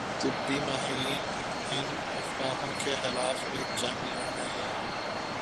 طبی ماہرین ان افواہوں کے خلاف ایک جنگ لڑ رہے